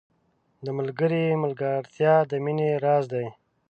• د ملګري ملګرتیا د مینې راز دی.